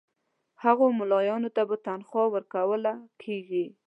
هغو مُلایانو ته به تنخوا ورکوله کیږي.